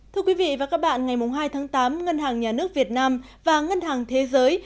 thưa quý vị và các bạn ngày hai tháng tám ngân hàng nhà nước việt nam và ngân hàng thế giới